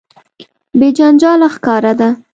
بې جنجاله ښکاره ده.